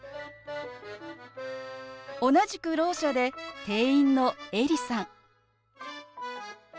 同じくろう者で店員の映里さん。